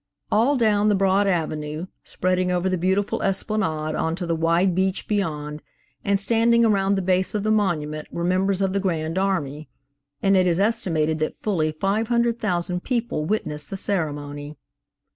All down the broad avenue, spreading over the beautiful esplanade on to the wide beach beyond, and standing around the base of the monument were members of the Grand Army, and it is estimated that fully 500,000 people witnessed the ceremony.